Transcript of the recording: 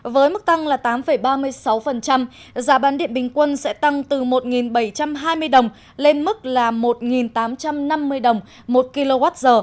với mức tăng tám ba mươi sáu giá bán điện bình quân sẽ tăng từ một bảy trăm hai mươi đồng lên mức là một tám trăm năm mươi đồng một kwh